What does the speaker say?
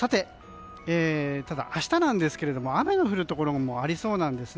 ただ明日なんですが雨の降るところもありそうです。